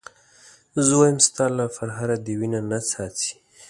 زه وایم ستا له پرهره دې وینه نه څاڅي.